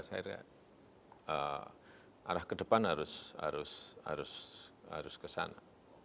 saya kira arah ke depan harus ke sana